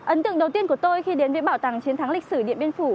ấn tượng đầu tiên của tôi khi đến với bảo tàng chiến thắng lịch sử điện biên phủ